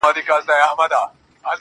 چي هغه تللې ده نو ته ولي خپه يې روحه~